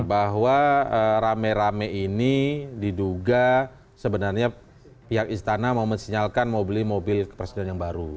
bahwa rame rame ini diduga sebenarnya pihak istana mau mensinyalkan mau beli mobil kepresiden yang baru